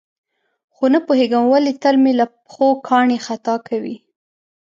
خو نه پوهېږم ولې تل مې له پښو کاڼي خطا کوي.